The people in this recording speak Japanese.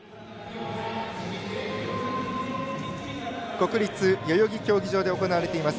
国立代々木競技場で行われています